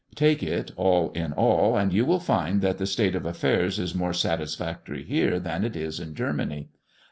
Take it all in all, and you will find that the state of affairs is more satisfactory here than it is in Germany.